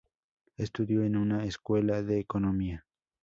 Estudió en una escuela de economía.